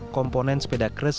komponen sepeda kres seperti ini